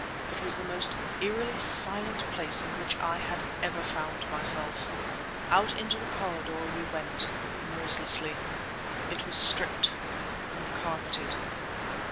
It was the most eerily silent place in which I had ever found myself. Out into the corridor we went, noiselessly. It was stripped, uncarpeted.